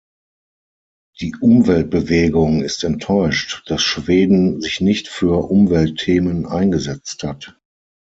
Die Umweltbewegung ist enttäuscht, dass Schweden sich nicht für Umweltthemen eingesetzt hat.